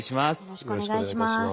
よろしくお願いします。